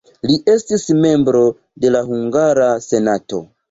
Li estis membro de la hungara senato.